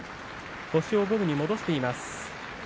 星を五分に戻しています。